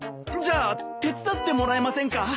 じゃあ手伝ってもらえませんか？